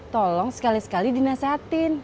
tolong sekali sekali dinasehatin